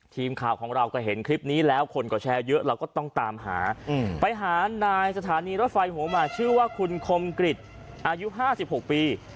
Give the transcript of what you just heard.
ทีมข่าวของเราก็เห็นคลิปนี้แล้วคนก็แชร์เยอะเราก็ต้องตามหาไปหานายสถานีรถไฟหัวหมากชื่อว่าคุณคมกริจอายุ๕๖ปี